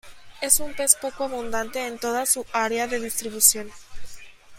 Es un pez poco abundante en toda su área de distribución.